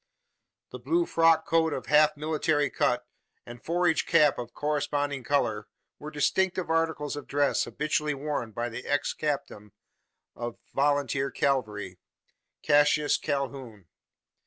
The blue frock coat of half military cut, and forage cap of corresponding colour, were distinctive articles of dress habitually worn by the ex captain of volunteer cavalry Cassius Calhoun.